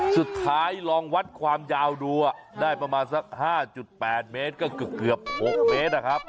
สุดท้ายลองวัดความยาวดูได้ประมาณสัก๕๘เมตรก็เกือบ๖เมตรนะครับ